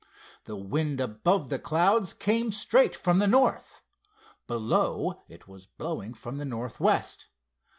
The wind above the clouds came straight from the north. Below it was blowing from the northwest.